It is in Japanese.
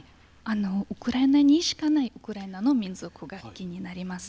ウクライナにしかないウクライナの民族楽器になります。